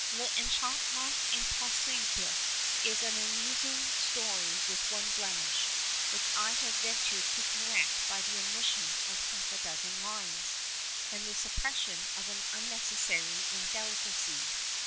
L'Enchantement Impossible is an amusing story with one blemish, which I have ventured to correct by the omission of half a dozen lines, and the suppression of an unnecessary indelicacy.